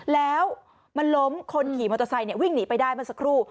แล้วมันล้มคนขี่มอเตอร์ไซค์วิ่งหนีไปได้เมื่อสักครู่